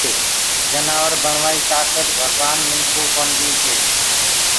جنآور بڻوآئي تآڪَت منکو ڀگوآن ڪونآ دي